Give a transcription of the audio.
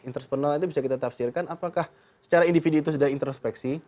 intersonal itu bisa kita tafsirkan apakah secara individu itu sudah introspeksi